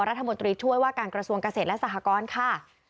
รัฐมนตรีช่วยว่าการกระทรวงเกษตรและสหกรค่ะ